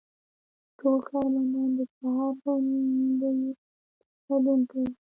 ټول کارمندان د سهار غونډې کې ګډون کوي.